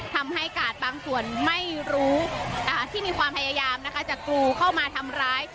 ทำให้กาดบางส่วนไม่รู้ที่มีความพยายามนะคะจะกรูเข้ามาทำร้าย